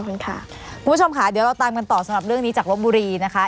คุณผู้ชมค่ะเดี๋ยวเราตามกันต่อสำหรับเรื่องนี้จากรบบุรีนะคะ